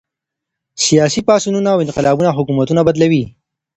سياسي پاڅونونه او انقلابونه حکومتونه بدلوي.